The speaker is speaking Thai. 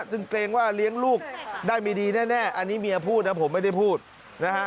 ซึ่งเกรงว่าเลี้ยงลูกได้ไม่ดีแน่อันนี้เมียพูดนะผมไม่ได้พูดนะฮะ